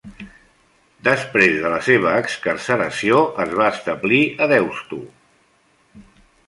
Després de la seva excarceració, es va establir a Deusto.